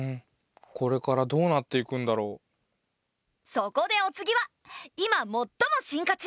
そこでお次は今もっとも進化中！